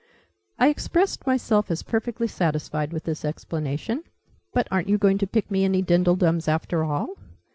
I expressed myself as perfectly satisfied with this explanation. "But aren't you going to pick me any dindledums, after all?"